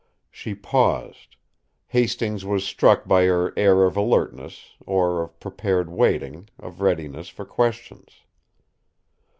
She paused. Hastings was struck by her air of alertness, or of prepared waiting, of readiness for questions.